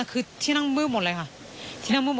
ส่วนรถที่นายสอนชัยขับอยู่ระหว่างการรอให้ตำรวจสอบ